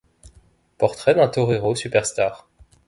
Portrait d’un torero superstar.